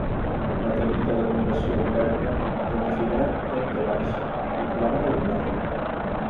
Una tècnica de compressió amb pèrdua identificarà aquest to baix i provarà d'eliminar-lo.